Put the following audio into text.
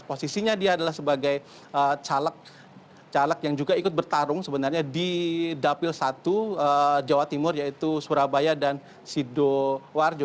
posisinya dia adalah sebagai caleg yang juga ikut bertarung sebenarnya di dapil satu jawa timur yaitu surabaya dan sidoarjo